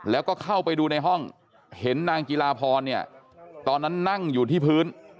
แล้วก็เข้าไปดูในห้องเห็นนางจิลาพรเนี่ยตอนนั้นนั่งอยู่ที่พื้น